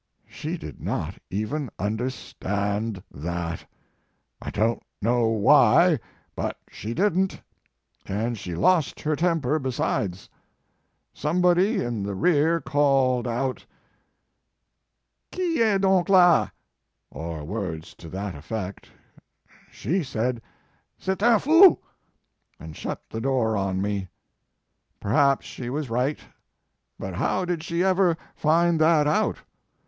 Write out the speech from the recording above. She did not even un derstand that; I don t know why, but she didn t, and she lost her temper be sides. Somebody in the rear called out, "Qui est done la?" or words to that effect. She said, "C est un fou," and shut the door on me. Perhaps she was right; but how did she ever find that out?